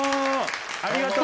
ありがとうね。